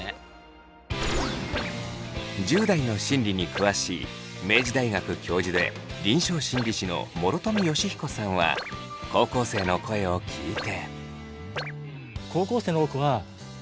１０代の心理に詳しい明治大学教授で臨床心理士の諸富祥彦さんは高校生の声を聞いて。